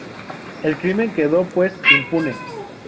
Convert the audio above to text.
El crimen quedó pues impune.